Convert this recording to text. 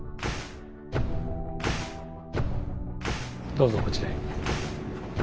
どうぞこちらへ。